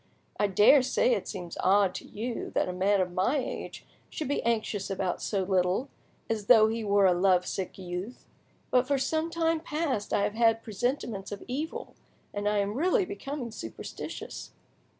I daresay it seems odd to you that a man of my age should be anxious about so little, as though he were a love sick youth; but for some time past I have had presentiments of evil, and I am really becoming superstitious!"